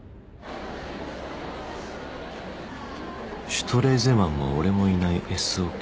・シュトレーゼマンも俺もいない Ｓ オケ。